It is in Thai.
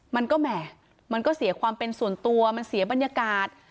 มันก็แหม่มันก็เสียความเป็นส่วนตัวมันเสียบรรยากาศ